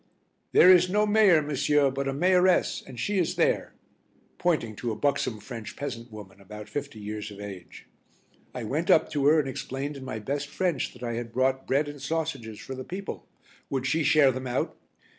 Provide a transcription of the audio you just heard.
"There is no Mayor, monsieur, but a mayoress, and she is there," pointing to a buxom French peasant woman about fifty years of age. I went up to her and explained in my best French that I had brought bread and sausages for the people, would she share them out?